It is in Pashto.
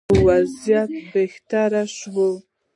اوضاع بهتره شوه.